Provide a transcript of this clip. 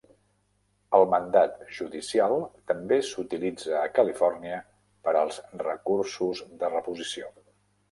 El mandat judicial també s'utilitza a Califòrnia per als recursos de reposició.